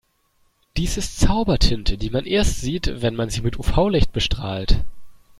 Dies ist Zaubertinte, die man erst sieht, wenn man sie mit UV-Licht bestrahlt.